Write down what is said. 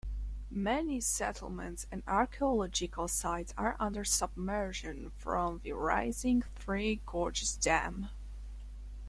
Many settlements and archeological sites are under submersion from the rising Three Gorges Dam.